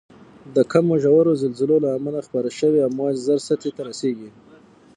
د کمو ژورو زلزلو له امله خپاره شوی امواج زر سطحې ته رسیږي.